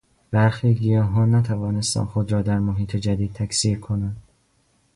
برخی گیاهان نتوانستند خود را در محیط جدید تکثیر کنند.